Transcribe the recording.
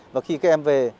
và khi các em về